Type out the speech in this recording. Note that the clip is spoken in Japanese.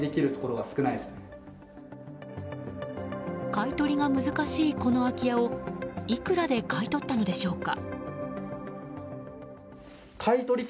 買い取りが難しいこの空き家をいくらで買い取ったのでしょうか。